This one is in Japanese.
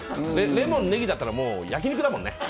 レモン、ネギだったら焼き肉だもんね。